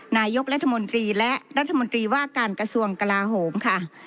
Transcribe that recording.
นายกรัฐมนตรีและรัฐมนตรีว่าการกระทรวงกลาโหมค่ะ